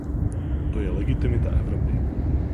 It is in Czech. To je legitimita Evropy.